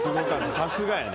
さすがやね。